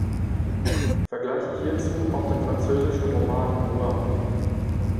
Vergleiche hierzu auch den französischen Roman Noir.